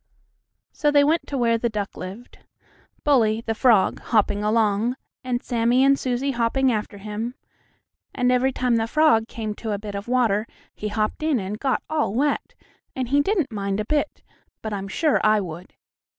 So they went to where the duck lived. Bully, the frog, hopping along, and Sammie and Susie hopping after him, and every time the frog came to a bit of water he hopped in and got all wet, and he didn't mind it a bit, but I'm sure I would.